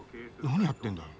何やってんだよ。